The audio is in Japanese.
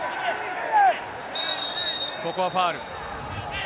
ここはファウル。